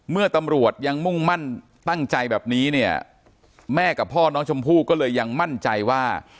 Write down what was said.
เมื่อตำรวจยังมุ่งมั่นตั้งใจแบบนี้เนี่ยแม่กับพ่อน้องชมพู่ก็เลยยังมั่นใจว่า